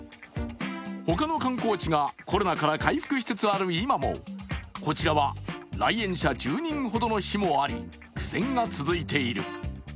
他の観光地がコロナから回復しつつある今もこちらは来園者１０人ほどの日もあり苦戦が続いている。